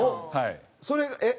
それがえっ？